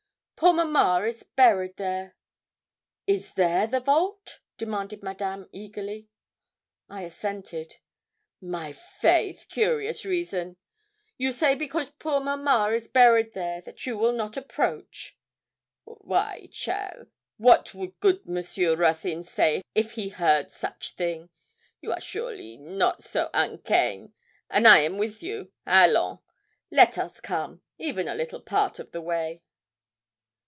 'Poor mamma is buried there.' 'Is there the vault?' demanded Madame eagerly. I assented. 'My faith, curious reason; you say because poor mamma is buried there you will not approach! Why, cheaile, what would good Monsieur Ruthyn say if he heard such thing? You are surely not so unkain', and I am with you. Allons. Let us come even a little part of the way.'